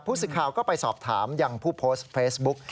สิทธิ์ข่าวก็ไปสอบถามยังผู้โพสต์เฟซบุ๊ก